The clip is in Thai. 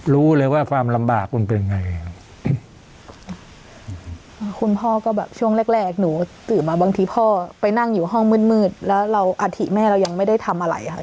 รู้เลยว่าความลำบากมันเป็นไงครับคุณพ่อก็แบบช่วงแรกแรกหนูตื่นมาบางทีพ่อไปนั่งอยู่ห้องมืดมืดแล้วเราอาถิแม่เรายังไม่ได้ทำอะไรค่ะ